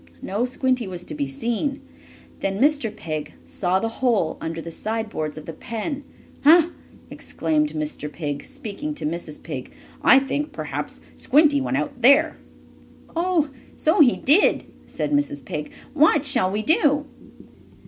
No Squinty was to be seen. Then Mr. Pig saw the hole under the side boards of the pen. "Ha!" exclaimed Mr. Pig, speaking to Mrs. Pig, "I think perhaps Squinty went out there." "Oh, so he did!" said Mrs. Pig. "What shall we do?"